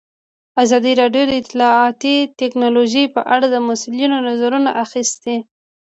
ازادي راډیو د اطلاعاتی تکنالوژي په اړه د مسؤلینو نظرونه اخیستي.